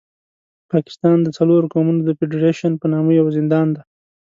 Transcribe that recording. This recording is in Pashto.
پاکستان د څلورو قومونو د فېډرېشن په نامه یو زندان دی.